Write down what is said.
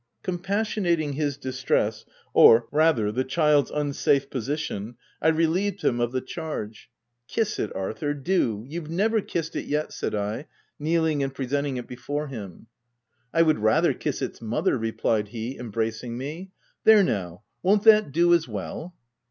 '' Compassionating his distress — or rather the child's unsafe position, I relieved him of the charge. " Kiss it, Arthur ; do — you've never kissed it yet !" said I, kneeling and presenting' it before him. OF WILDFELL HALL. 155 " I would rather kiss its mother/' replied he, embracing me. "There now; won't that do as well?"